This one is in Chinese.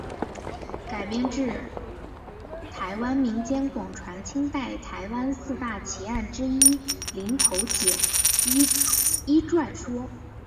改编自台湾民间广传清代台湾四大奇案之一的林投姐一传说。